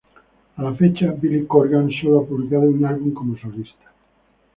A la fecha, Billy Corgan solo ha publicado un álbum como solista.